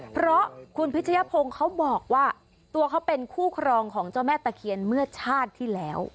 เพราะคุณพิชยพงศ์เขาบอกว่าตัวเขาเป็นคู่ครองของเจ้าแม่ตะเคียนเมื่อชาติที่แล้ว